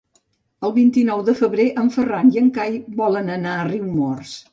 El vint-i-nou de febrer en Ferran i en Cai volen anar a Riumors.